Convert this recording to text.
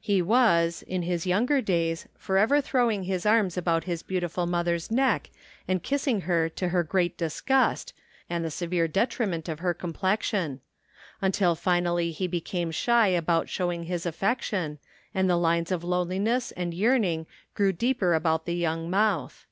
He was, in his younger days, for ever throwing his arms about his beautiful mother's neck and kissing her to her great disgust and the severe detriment of her complexion; tuitil finally he became shy aix>ut showing his affection, and the lines of lone^ liness and yearning grew deeper about the young mouth.